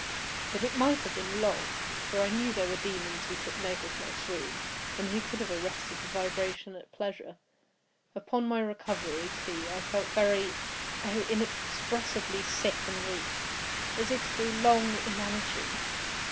But it might have been long; for I knew there were demons who took note of my swoon, and who could have arrested the vibration at pleasure. Upon my recovery, too, I felt very—oh! inexpressibly—sick and weak, as if through long inanition.